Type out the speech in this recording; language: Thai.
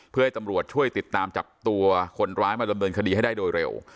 เพื่อให้ตำรวจช่วยติดตามจับตัวคนร้ายมาดำเนินคดีให้ได้โดยเร็ว